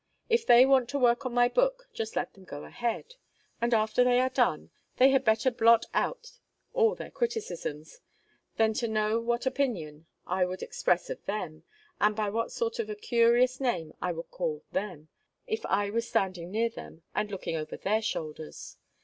If they want to work on my book, just let them go ahead; and after they are done, they had better blot out all their criticisms, than to know what opinion I would express of them, and by what sort of a curious name I would call them, if I was standing near them, and looking over their shoulders.